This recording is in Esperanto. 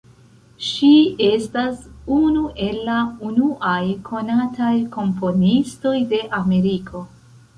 Ŝi estas unu el la unuaj konataj komponistoj de Ameriko.